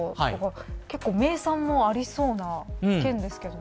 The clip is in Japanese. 結構、名産もありそうな県ですけどね。